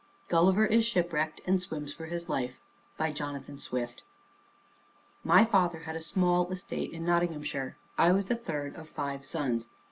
GULLIVER IS SHIPWRECKED AND SWIMS FOR HIS LIFE By Jonathan Swift My father had a small estate in Nottinghamshire; I was the third of five sons.